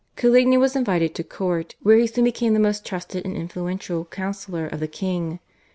Coligny was invited to court, where he soon became the most trusted and influential councillor of the king.